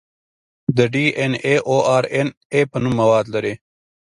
د ډي ان اې او ار ان اې په نوم مواد لري.